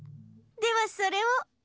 ではそれを。